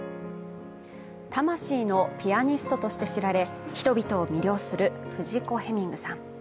魂のピアニストとして知られ人々を魅了するフジコ・ヘミングさん